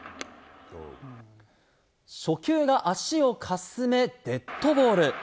初球が足をかすめデッドボール。